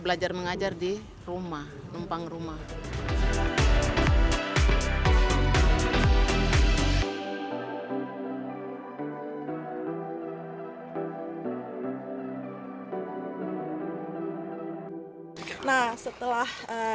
belajar mengajar di rumah numpang rumah